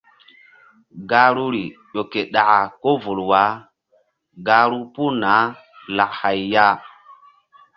Gahruri ƴo ke ɗaka ko vul wah gahru puh naah lak hay ya.